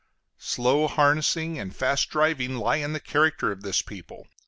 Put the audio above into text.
Slow harnessing and fast driving lie in the character of this people.